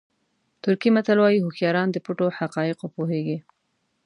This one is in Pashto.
ترکي متل وایي هوښیاران د پټو حقایقو پوهېږي.